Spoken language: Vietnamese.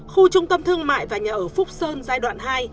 khu trung tâm thương mại và nhà ở phúc sơn giai đoạn hai